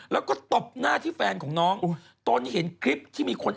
แล้วก็ตบหน้าที่แฟนของน้องตนเห็นคลิปที่มีคน